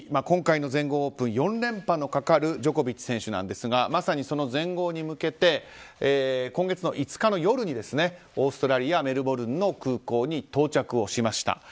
今回の全豪オープン４連覇のかかるジョコビッチ選手なんですがまさにその全豪に向けて今月の５日の夜にオーストラリア、メルボルンの空港に到着をしました。